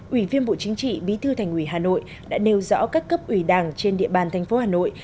ủy viên bộ chính trị bí thư thành ủy hà nội đã nêu rõ các cấp ủy đảng trên địa bàn thành phố hà nội